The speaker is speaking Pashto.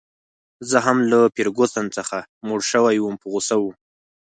زه هم له فرګوسن څخه موړ شوی وم، په غوسه وم.